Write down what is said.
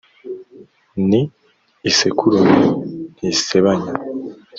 Ni isekurume ntisebanya